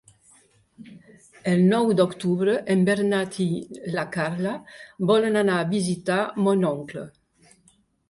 El nou d'octubre en Bernat i na Carla volen anar a visitar mon oncle.